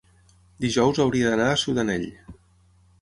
dijous hauria d'anar a Sudanell.